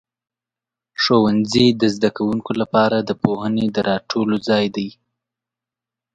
ښوونځي د زده کوونکو لپاره د پوهنې د راټولو ځای دی.